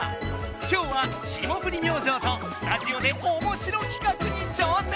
今日は霜降り明星とスタジオでおもしろきかくに挑戦！